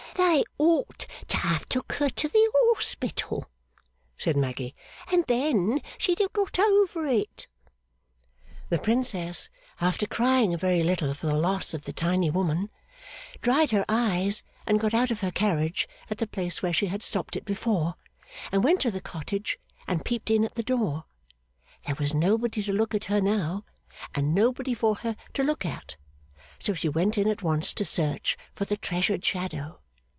['They ought to have took her to the Hospital,' said Maggy, and then she'd have got over it.') 'The Princess, after crying a very little for the loss of the tiny woman, dried her eyes and got out of her carriage at the place where she had stopped it before, and went to the cottage and peeped in at the door. There was nobody to look at her now, and nobody for her to look at, so she went in at once to search for the treasured shadow.